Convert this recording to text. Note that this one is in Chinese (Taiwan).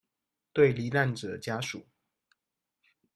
對罹難者家屬